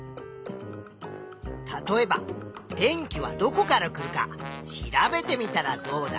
例えば電気はどこから来るか調べてみたらどうだ？